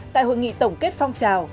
tại hội nghị tổng kết phong trào